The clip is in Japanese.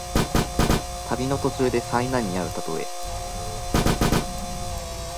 旅の途中で災難にあうたとえ。